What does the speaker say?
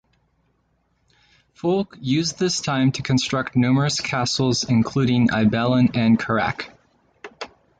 Fulk used this time to construct numerous castles, including Ibelin and Kerak.